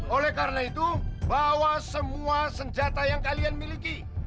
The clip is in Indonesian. oleh karena itu bahwa semua senjata yang kalian miliki